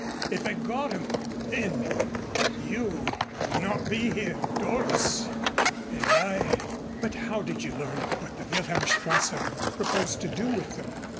If I'd got 'em then, you would not be here, Doris, and I " "But how did you learn what the Wilhelmstrasse proposed to do with them?"